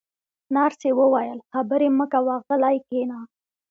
نرسې وویل: خبرې مه کوه، غلی کښېنه.